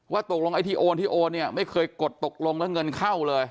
ตกลงไอ้ที่โอนที่โอนเนี่ยไม่เคยกดตกลงแล้วเงินเข้าเลย